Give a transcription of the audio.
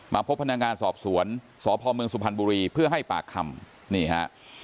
พบพนักงานสอบสวนสพเมืองสุพรรณบุรีเพื่อให้ปากคำนี่ฮะ